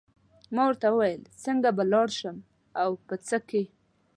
ما ورته وویل څنګه به لاړ شم او په څه کې.